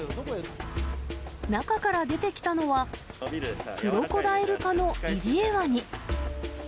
中から出てきたのは、クロコダイル科のイリエワニ。